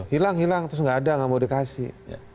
hilang hilang terus nggak ada nggak mau dikasih